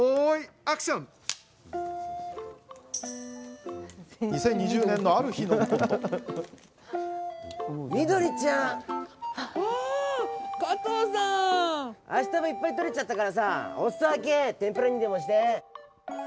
アシタバ、いっぱい採れちゃったからさ、おすそ分け天ぷらにでもして。